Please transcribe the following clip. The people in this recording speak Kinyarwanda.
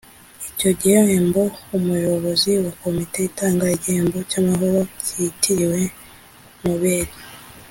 icyo gihembo umuyobozi wa komite itanga igihembo cy amahoro kitiriwe nobeli